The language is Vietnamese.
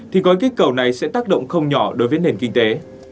thì gói kích cầu này sẽ tác động không nhỏ đối với nền kinh tế